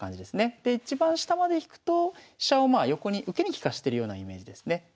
でいちばん下まで引くと飛車をまあ横に受けに利かしてるようなイメージですね。